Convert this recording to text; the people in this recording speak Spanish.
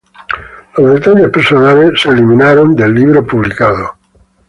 Los detalles personales fueron eliminados del libro publicado.